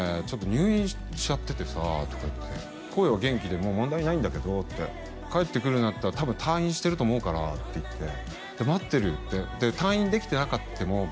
「ちょっと入院しちゃっててさ」とか言って声は元気で「もう問題ないんだけど」って「帰ってくるんだったらたぶん退院してると思うから」って言って「待ってる」ってで「退院できてなくても」